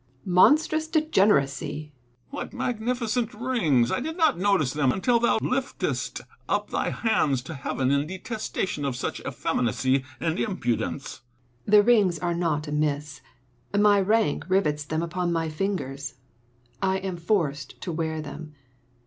Seneca. Monstrous degeneracy. Epictetus. What magnificent rings ! I did not notice them until thou liftedst up thy hands to heaven, in detesta tion of such effeminacy and impudence. Seneca. The rings are not amiss ; my rank rivets them upon my fingers : I am forced to wear them.